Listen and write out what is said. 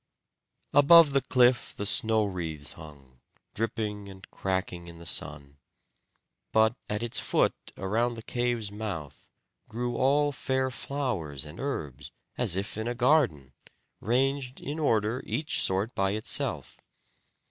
Above the cliff the snow wreaths hung, dripping and cracking in the sun. But at its foot around the cave's mouth grew all fair flowers and herbs, as if in a garden, ranged in order, each sort by itself.